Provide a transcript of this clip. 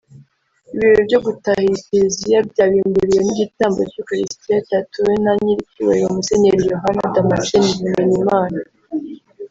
Ibirori byo gutaha iyi Kiliziya byabimburiwe n’igitambo cy’Ukaristiya cyatuwe na Nyiricyubahiro Musenyeri Yohani Damaseni Bimenyimana